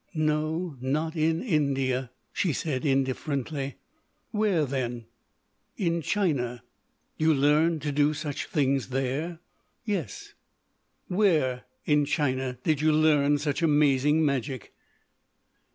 "No, not in India," she said, indifferently. "Where then?" "In China." "You learned to do such things there?" "Yes." "Where, in China, did you learn such amazing magic?"